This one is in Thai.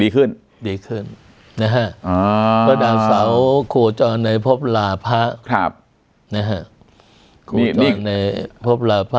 ก็ดาวเสาโคจรในพบลาพระ